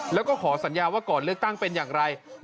แล้วก็ขอสัญญาว่าก่อนเลือกตั้งเป็นอย่างไร